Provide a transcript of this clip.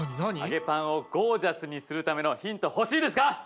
揚げパンをゴージャスにするためのヒント欲しいですか？